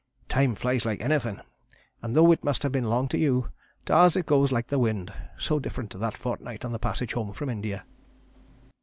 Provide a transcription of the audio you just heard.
Time flies like anything, and though it must have been long to you, to us it goes like the wind so different to that fortnight on the passage home from India."